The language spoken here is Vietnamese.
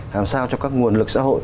làm sao cho các nguồn lực xã hội